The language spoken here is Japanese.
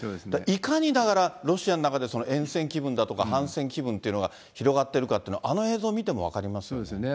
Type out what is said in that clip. いかにだから、ロシアの中でえん戦気分だとか反戦気分っていうのが広がっているかというのは、あの映像を見ても分かりますよね。